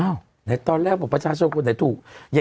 ไหนตอนแรกบอกประชาชนคนไหนถูก